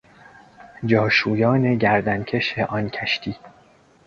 جاشویان گردنکش آن کشتی